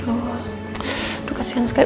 aduh kasihan sekali